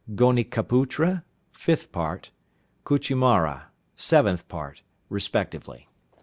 Gonikaputra (fifth part). Kuchumara (seventh part), respectively.